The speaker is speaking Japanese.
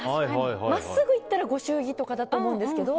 真っすぐいったらご祝儀とかだと思うんですけど。